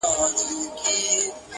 چي د توقع نه پورته خبري دي وکړې